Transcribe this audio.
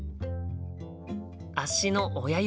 足の親指。